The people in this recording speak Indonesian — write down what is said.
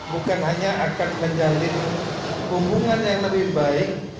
bukan hanya akan menjalin hubungan yang lebih baik